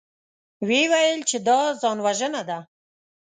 ويې ويل چې دا ځانوژنه ده.